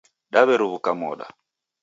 Daw'eruw'uka moda